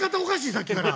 さっきから。